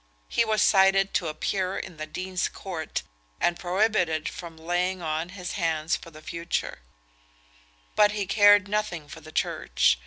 He was cited to appear in the Dean's Court, and prohibited from laying on his hands for the future: but he cared nothing for the Church.